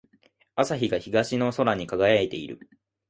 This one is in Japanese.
朝日が東の空に輝いている。